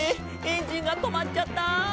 エンジンがとまっちゃった！」